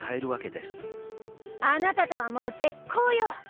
あなたとはもう絶交よ！